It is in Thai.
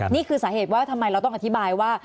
นี่คือสาเหตุว่าทำไมเราต้องอธิบายว่า